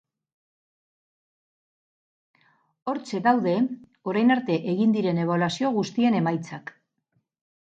Hortxe daude orain arte egin diren ebaluazio guztien emaitzak.